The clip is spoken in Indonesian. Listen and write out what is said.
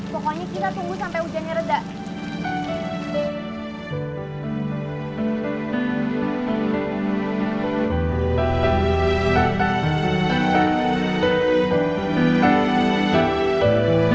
pokoknya kita tunggu sampe hujannya resipi